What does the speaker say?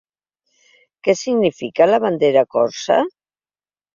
Què significa la bandera corsa?